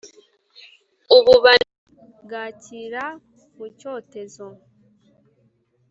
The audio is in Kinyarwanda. ububani bwakira mu cyotezo,